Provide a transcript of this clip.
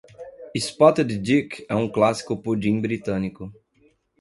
Spotted dick é um clássico pudim britânico.